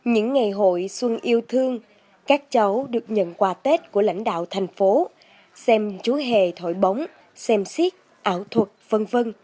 những ngày hội xuân yêu thương các cháu được nhận quà tết của lãnh đạo thành phố xem chú hề thổi bóng xem xiết ảo thuật v v